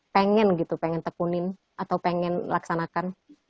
pengen gitu pengen tekunin atau pengen laksanakan